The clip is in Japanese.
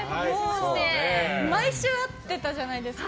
毎週会ってたじゃないですか。